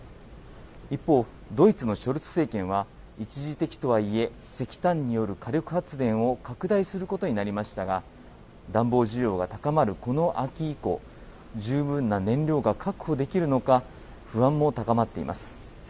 一方、ドイツのショルツ政権は一時的とはいえ、石炭による火力発電を拡大することになりましたが、暖房需要が高まるこの秋以降、十分な燃料が確保できるのか、不安も高まっています。